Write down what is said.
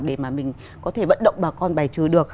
để mà mình có thể vận động bà con bài trừ được